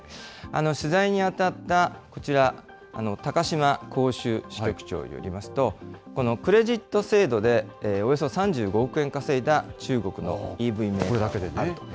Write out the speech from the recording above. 取材に当たったこちら、高島広州支局長によりますと、このクレジット制度でおよそ３５億円稼いだ中国のＥＶメーカーがある。